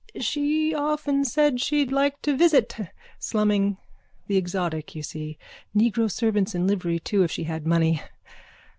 _ She often said she'd like to visit. Slumming. The exotic, you see. Negro servants in livery too if she had money.